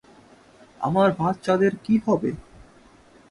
আমার বাচ্চাদের কি হবে?